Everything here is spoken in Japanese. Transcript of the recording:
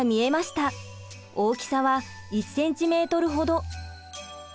大きさは１ｃｍほど。